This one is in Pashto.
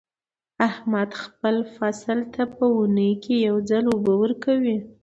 احمد خپل فصل ته په اونۍ کې یو ځل اوبه ورکوي.